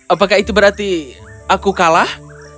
apakah itu berarti aku kalah